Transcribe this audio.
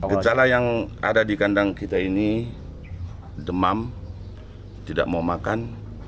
gejala yang ada di kandang kita ini demam tidak mau makan